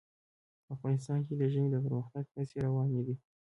افغانستان کې د ژمی د پرمختګ هڅې روانې دي.